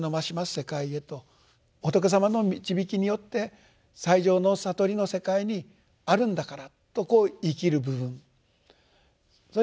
世界へと仏様の導きによって最上の悟りの世界にあるんだからとこう言い切る部分。